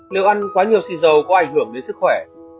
nếu ăn quá nhiều xịt dầu có ảnh hưởng đến sức khỏe